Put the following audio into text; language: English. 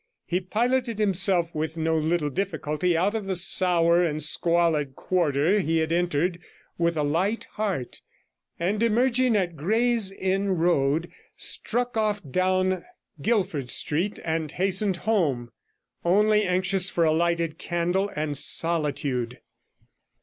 He piloted himself with no little difficulty out of the sour and squalid quarter he had entered with a light heart, and emerging at Gray's Inn Road, struck off down Guilford Street and hastened home, only anxious for a lighted candle and solitude.